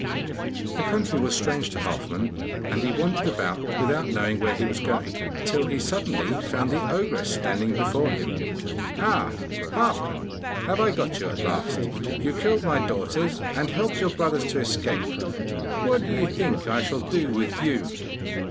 The country was strange to Halfman, and he wandered about without knowing where he was going, till he suddenly found the ogress standing before him. 'Ah, Halfman, have I got you at last? You killed my daughters and helped your brothers to escape. What do you think I shall do with you?